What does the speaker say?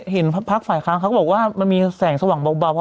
เห็นพักฝ่ายค้านเขาก็บอกว่ามันมีแสงสว่างเบา